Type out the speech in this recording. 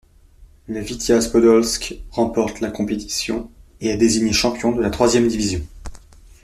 Le Vitiaz Podolsk remporte la compétition et est désigné champion de la troisième division.